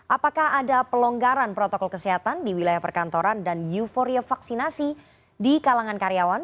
apakah ada pelonggaran protokol kesehatan di wilayah perkantoran dan euforia vaksinasi di kalangan karyawan